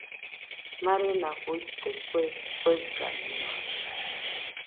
Marena fuite kue kueganɨaɨ